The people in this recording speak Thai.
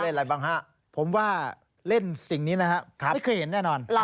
ใช่ค่ะ